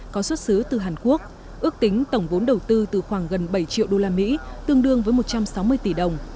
có xuất xứ từ hàn quốc ước tính tổng vốn đầu tư từ khoảng gần bảy triệu usd tương đương với một trăm sáu mươi tỷ đồng